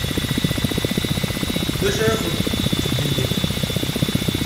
D acu ara gent din?